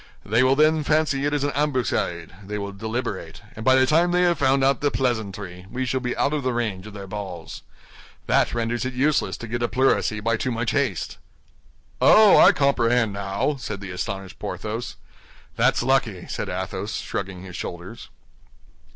They will then fancy it is an ambuscade, they will deliberate; and by the time they have found out the pleasantry, we shall be out of the range of their balls. That renders it useless to get a pleurisy by too much haste." "Oh, I comprehend now," said the astonished Porthos. "That's lucky," said Athos, shrugging his shoulders.